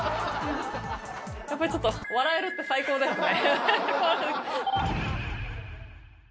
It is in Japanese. やっぱりちょっと、笑えるって最高ですね。